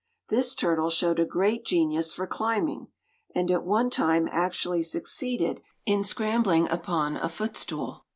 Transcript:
This turtle showed a great genius for climbing, and at one time actually succeeded in scrambling upon a footstool.